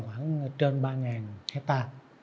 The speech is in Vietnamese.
khoảng trên ba hecta